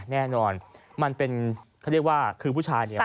แน่นอนมันเป็นคือผู้ชาย